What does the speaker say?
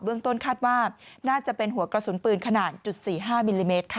ต้นคาดว่าน่าจะเป็นหัวกระสุนปืนขนาดจุด๔๕มิลลิเมตรค่ะ